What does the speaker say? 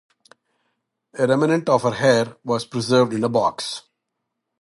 A remnant of her hair was preserved in a box.